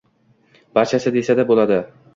Barchasi desa-da bo‘ladi!